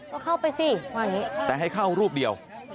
ก็เข้าไปซ้ิว่าอย่างนี้